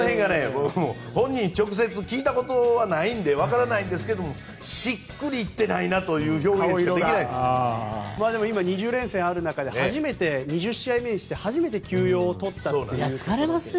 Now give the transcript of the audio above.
僕も本人に直接聞いたことないんで分からないですけどしっくりいってないなというでも今、２０連戦ある中で２０試合目にして初めて休養を取ったという。